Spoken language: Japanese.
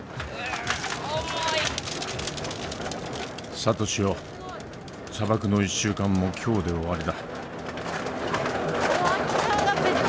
「サトシよ砂漠の１週間も今日で終わりだ」。